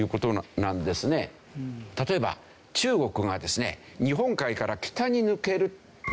例えば中国がですね日本海から北に抜ける。